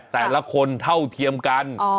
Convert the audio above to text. แต่ละคนเท่าเทียมกัน